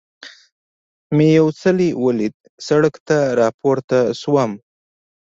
مې یو څلی ولید، سړک ته را پورته شوم.